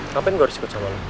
ngapain gua harus ikut sama lu